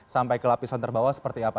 sampai ke lapisan terbawah seperti apa